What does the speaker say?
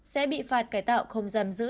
sẽ bị phạt cải tạo không giam giữ